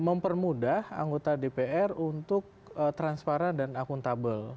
mempermudah anggota dpr untuk transparan dan akuntabel